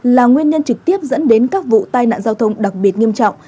là nguyên nhân trực tiếp dẫn đến các vụ tai nạn giao thông đặc biệt nghiêm trọng